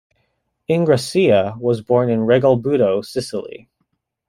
Ingrassia was born in Regalbuto, Sicily.